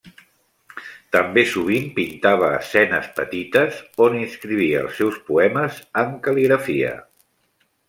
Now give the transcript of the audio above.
També sovint pintava escenes petites, on inscrivia els seus poemes en cal·ligrafia.